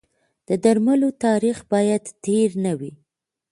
د درملو تاریخ باید تېر نه وي.